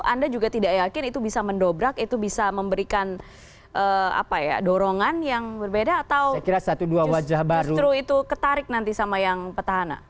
anda juga tidak yakin itu bisa mendobrak itu bisa memberikan dorongan yang berbeda atau dua wajah baru itu ketarik nanti sama yang petahana